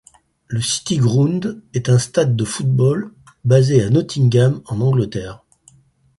Le City Ground est un stade de football basé à Nottingham en Angleterre.